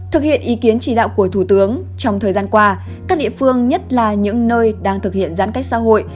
thực hiện ý kiến chỉ đạo của thủ tướng trong thời gian qua các địa phương nhất là những nơi đang thực hiện giãn cách xã hội